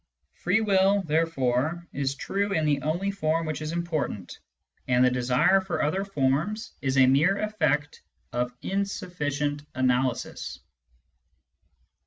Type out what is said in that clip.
Free will, therefore, is true in the only form which is important ; and the desire for other forms is a mere effect of insufficient analysis.